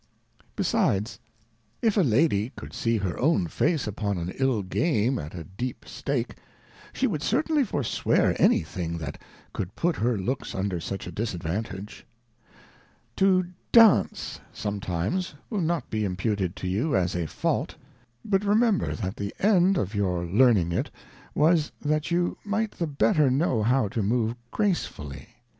Besides if a Lady could see her own Face upon an ill Game, at a deep , Stake, she would certainly forswear any thing that could put her looks under such a Disadvantage. To Dance sometimes will not be imputed to you as a fault ; vbut remember that the end of your Learning it, was, that you might the better know how to move gracefully